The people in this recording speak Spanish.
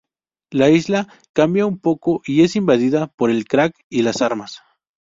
La isla cambia un poco y es invadida por el crack y las armas.